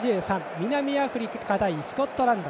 南アフリカ対スコットランド。